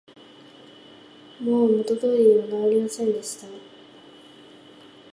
もう元の通りに直りませんでした